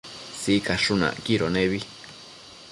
Sicashun acquido nebi